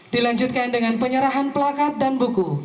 dilanjutkan dengan penyerahan pelakat dan buku